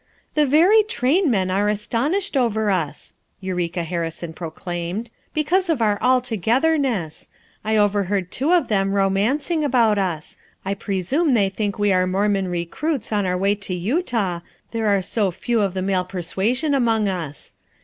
"The very trainmen are astonished over us," Eureka Harrison proclaimed, "because of our all togetherness. I overheard two of them romancing about us. I presume they think we are Mormon recruits on our way to Utah, there are so few of the male persuasion among us.